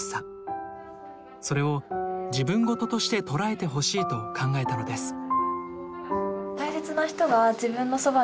それを自分ごととして捉えてほしいと考えたのです。